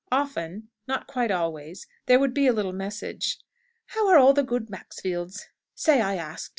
Often not quite always there would be a little message. "How are all the good Maxfields? Say I asked."